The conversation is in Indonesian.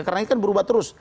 karena ini kan berubah terus